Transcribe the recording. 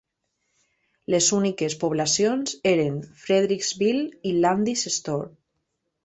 Les úniques poblacions eren Fredericksville i Landis Store.